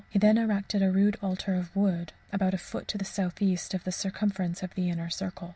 He then erected a rude altar of wood, about a foot to the southeast of the circumference of the inner circle.